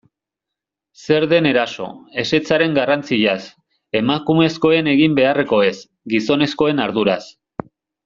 Zer den eraso, ezetzaren garrantziaz, emakumezkoen egin beharrekoez, gizonezkoen arduraz...